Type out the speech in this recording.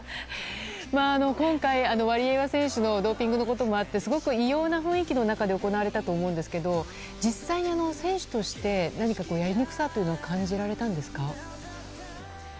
今回ワリエワ選手のドーピングのこともあってすごく異様な雰囲気の中で行われたと思うんですけど実際に選手として何かやりにくさというのは感じられたんですか？